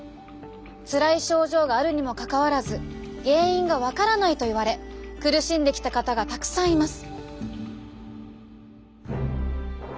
つらい症状があるにもかかわらず原因が分からないと言われ苦しんできた方がたくさんいます。